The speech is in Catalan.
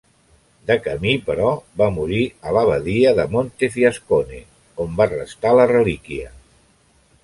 De camí, però, va morir a l'Abadia de Montefiascone, on va restar la relíquia.